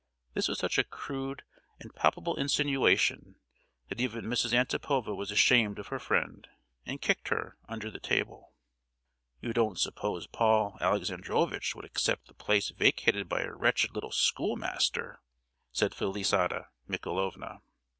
This was such a crude and palpable insinuation that even Mrs. Antipova was ashamed of her friend, and kicked her, under the table. "You don't suppose Paul Alexandrovitch would accept the place vacated by a wretched little schoolmaster!" said Felisata Michaelovna.